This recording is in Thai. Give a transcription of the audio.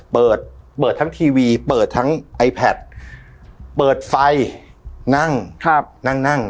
เปิดเปิดทั้งทีวีเปิดทั้งไอแพทเปิดไฟนั่งครับนั่งนั่ง